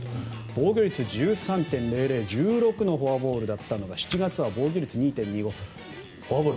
防御率１３．００１６のフォアボールだったのが７月は防御率２．２５フォアボール